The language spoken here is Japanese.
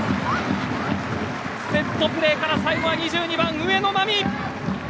セットプレーから最後は２２番、上野真実。